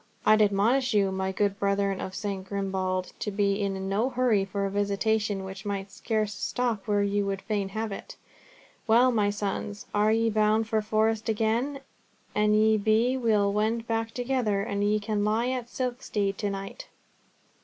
I'd admonish you, my good brethren of S. Grimbald, to be in no hurry for a visitation which might scarce stop where you would fain have it. Well, my sons, are ye bound for the Forest again? An ye be, we'll wend back together, and ye can lie at Silkstede to night."